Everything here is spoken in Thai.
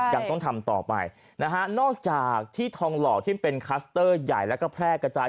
ยังต้องทำต่อไปนะฮะนอกจากที่ทองหล่อที่เป็นคัสเตอร์ใหญ่แล้วก็แพร่กระจาย